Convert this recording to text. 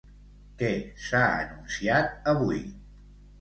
Què s'ha anunciat avui?